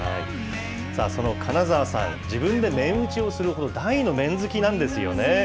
その金澤さん、自分で麺打ちをするほど、大の麺好きなんですよね。